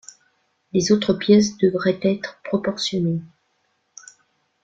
Les autres pièces devraient être proportionnées.